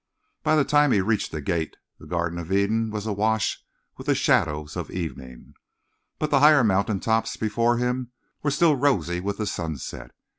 By the time he reached the gate the Garden of Eden was awash with the shadows of the evening, but the higher mountain tops before him were still rosy with the sunset.